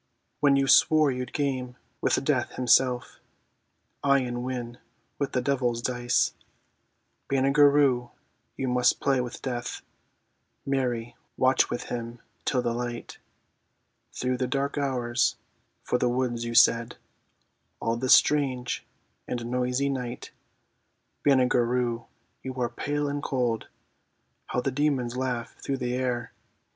When you swore you'd game with Death himself; Aye, and win with the devil's dice. Banagher Rhue, you must play with Death, (Mary, watch with him till the light!) Through the dark hours, for the words you said, All this strange and noisy night. Banagher Rhue, you are pale and cold; (How the demons laugh through the air!)